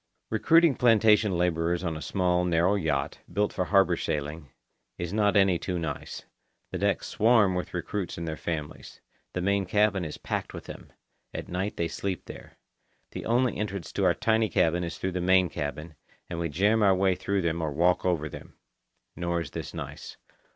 Recruiting plantation labourers on a small, narrow yacht, built for harbour sailing, is not any too nice. The decks swarm with recruits and their families. The main cabin is packed with them. At night they sleep there. The only entrance to our tiny cabin is through the main cabin, and we jam our way through them or walk over them. Nor is this nice.